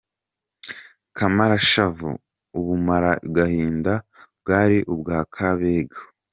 Kamarashavu : ”Ubumaragahinda “,bwari ubwa Kabego.